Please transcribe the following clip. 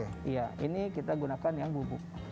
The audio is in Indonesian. iya ini kita gunakan yang bubuk